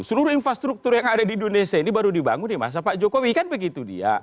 seluruh infrastruktur yang ada di indonesia ini baru dibangun di masa pak jokowi kan begitu dia